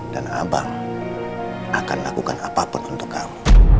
dan abang akan lakukan apapun untuk kamu